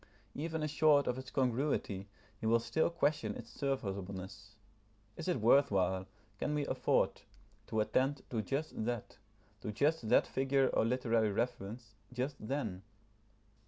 Even assured of its congruity, he will still question its serviceableness. Is it worth while, can we afford, to attend to just that, to just that figure or literary reference, just then?